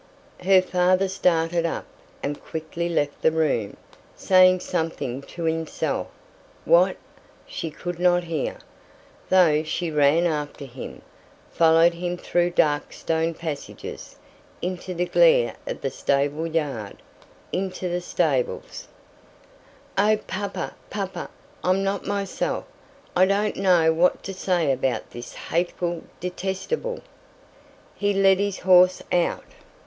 Her father started up, and quickly left the room, saying something to himself what, she could not hear, though she ran after him, followed him through dark stone passages, into the glare of the stable yard, into the stables "Oh, papa, papa I'm not myself I don't know what to say about this hateful detestable " He led his horse out.